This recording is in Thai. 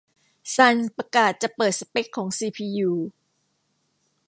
ซันประกาศจะเปิดสเปคของซีพียู